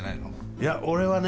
いや俺はね